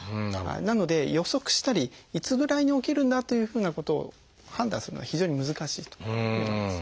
なので予測したりいつぐらいに起きるんだというふうなことを判断するのは非常に難しいと思います。